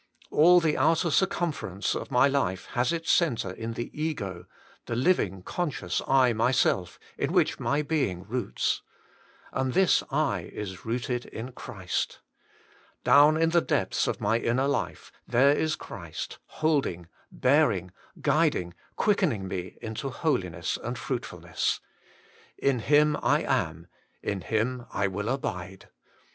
All the outer circumference of my life has its centre in the ego the liaing, conscious I myself, in which my being roots. And this I is rooted in Christ. Down in the depths of my inner life, there is Christ holding, bearing, guiding, quickening me into holiness and fruitfulness. In Him I am, In Him I will abide.